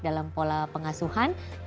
dalam pola pengasuhan